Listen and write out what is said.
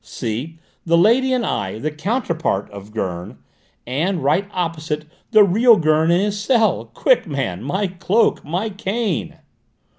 See? The lady, and I the counterpart of Gurn and, right opposite, the real Gurn in his cell! Quick, man: my cloak! My cane!"